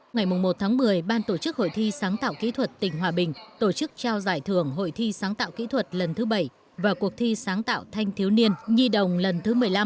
ngày một một mươi ban tổ chức hội thi sáng tạo kỹ thuật tỉnh hòa bình tổ chức trao giải thưởng hội thi sáng tạo kỹ thuật lần thứ bảy và cuộc thi sáng tạo thanh thiếu niên nhi đồng lần thứ một mươi năm